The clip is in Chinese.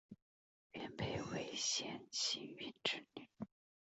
元配为冼兴云之女。